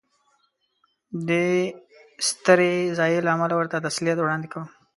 دې سترې ضایعې له امله ورته تسلیت وړاندې کوم.